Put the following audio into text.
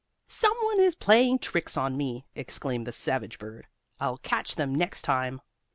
"Some one is playing tricks on me!" exclaimed the savage bird. "I'll catch them next time!"